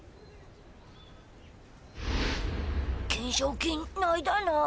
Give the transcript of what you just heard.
懸賞金ないだな。